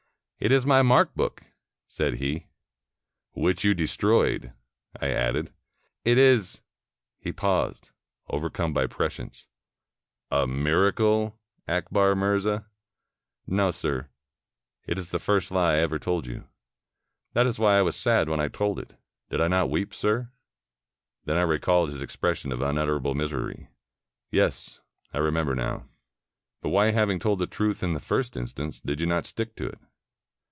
"It is my mark book," said he. "Which you destroyed," I added. "It is —" He paused, overcome by prescience. "A miracle, Akbar Mirza?" " No, sir; it is the first lie I ever told you. That is why I was sad when I told it. Did I not weep, sir?" Then I recalled his expression of unutterable misery. "Yes, I remember now. But why, having told the truth in the first instance, did you not stick to it?"